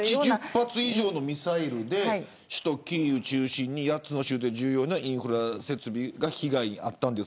８０発以上のミサイルで首都キーウを中心に８つの州で重要なインフラ施設が被害に遭いました。